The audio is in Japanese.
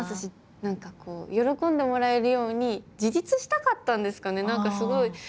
何かこう喜んでもらえるように自立したかったんですかね。